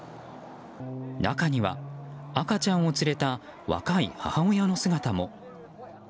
中には、赤ちゃんを連れた若い母親の姿も。